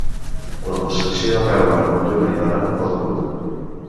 La construcció acaba en motllura i barana correguda.